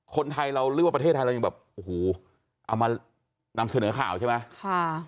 คนไทยเราหรือว่าประเทศไทยเรายังแบบโอ้โหเอามานำเสนอข่าวใช่ไหมค่ะ